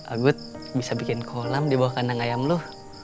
agust bisa bikin kolam di bawah kandang ayam lu